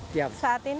tiap saat ini